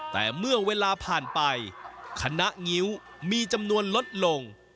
แต่เมื่อเวลาผ่านไปคณะงิ้วมีจำนวนลดลง